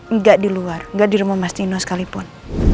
nggak di luar nggak di rumah mas nino sekalipun